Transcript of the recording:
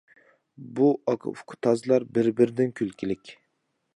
بۇ ئاكا ئۇكا تازلار بىر بىرىدىن كۈلكىلىك.